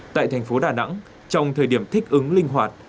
tại thành phố đà nẵng trong thời điểm thích ứng linh hoạt